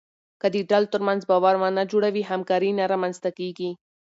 که د ډلو ترمنځ باور ونه جوړوې، همکاري نه رامنځته کېږي.